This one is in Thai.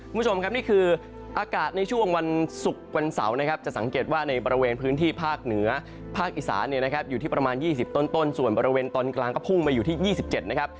คุณผู้ชมครับนี่คืออากาศในช่วงวันศุกร์วันเสาร์นะครับจะสังเกตว่าในบริเวณพื้นที่ภาคเหนือภาคอีสานเนี่ยนะครับอยู่ที่ประมาณ๒๐ต้นส่วนบริเวณตอนกลางก็พุ่งมาอยู่ที่๒๗นะครับ